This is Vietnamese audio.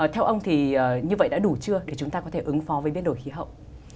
theo ông thì như vậy đã đủ chưa để chúng ta có thể ứng phó với biến đổi khí hậu